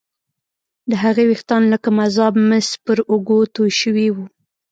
د هغې ويښتان لکه مذاب مس پر اوږو توې شوي وو